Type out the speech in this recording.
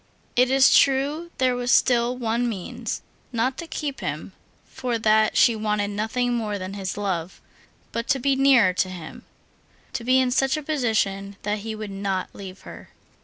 It is true there was still one means; not to keep him—for that she wanted nothing more than his love—but to be nearer to him, to be in such a position that he would not leave her.